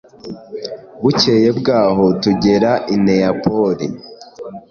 bukeye bwaho tugera i Neyapoli;